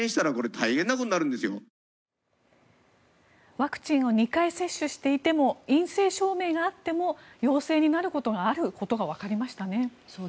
ワクチンを２回接種していても陰性証明があっても陽性になることがあることがわかりましたね。